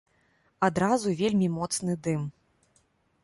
Адразу вельмі моцны дым.